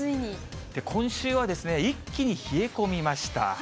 今週は、一気に冷え込みました。